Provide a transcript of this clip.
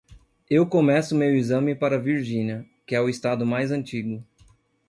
Eu começo meu exame para Virginia, que é o estado mais antigo.